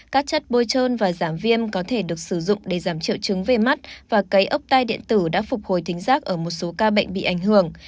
các chất bôi trơn và giảm viêm có thể được sử dụng để giảm triệu chứng về mắt và cấy ốc tai điện tử đã phục hồi tính rác ở một số ca bệnh bị ảnh hưởng